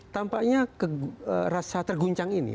tampaknya rasa terguncang ini